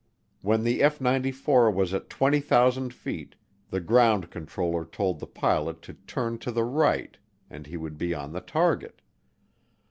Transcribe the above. When the F 94 was at 20,000 feet, the ground controller told the pilot to turn to the right and he would be on the target.